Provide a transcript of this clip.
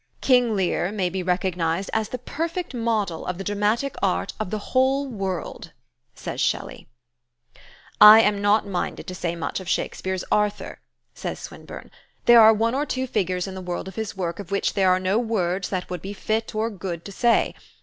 "'King Lear' may be recognized as the perfect model of the dramatic art of the whole world," says Shelley. "I am not minded to say much of Shakespeare's Arthur," says Swinburne. "There are one or two figures in the world of his work of which there are no words that would be fit or good to say.